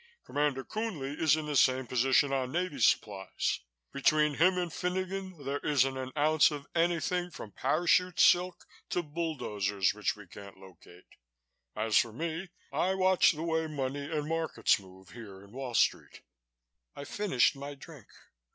Commander Coonley is in the same position on Navy Supplies. Between him and Finogan there isn't an ounce of anything from parachute silk to bull dozers which we can't locate. As for me, I watch the way money and markets move here in Wall Street." I finished my drink.